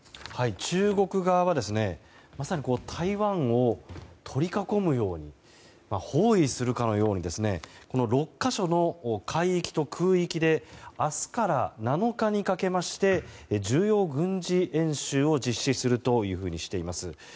中国側はまさに台湾を取り囲むように包囲するかのように６か所の海域と空域で明日から７日にかけまして重要軍事演習を実施するとしています。